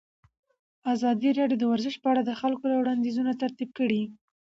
ازادي راډیو د ورزش په اړه د خلکو وړاندیزونه ترتیب کړي.